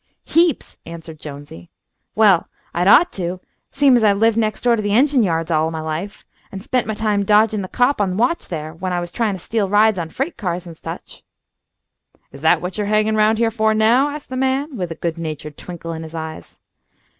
"Heaps," answered Jonesy. "Well, I'd ought to, seem' as I've lived next door to the engine yards all my life, and spent my time dodgin' the cop on watch there, when I was tryin' to steal rides on freight cars and such." "Is that what you're hangin' around here now for?" asked the man, with a good natured twinkle in his eyes.